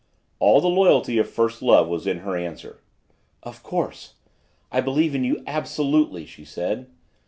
All the loyalty of first love was in her answer. "Of course! I believe in you absolutely!" she said.